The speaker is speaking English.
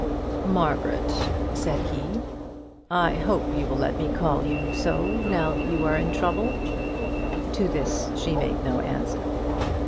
"Margaret," said he, "I hope you will let me call you so now that you are in trouble?" To this she made no answer.